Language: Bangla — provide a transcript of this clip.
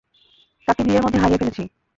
তাকে ভিড়ের মধ্যে হারিয়ে ফেলেছি।